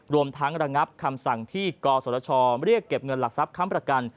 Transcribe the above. รวมทั้งระงับคำสั่งที่กศชเรียกเก็บเงินหลักทรัพย์ค้ำประกัน